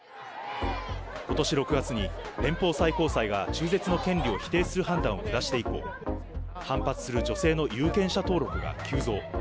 ことし６月に、連邦最高裁が中絶の権利を否定する判断を下して以降、反発する女性の有権者登録が急増。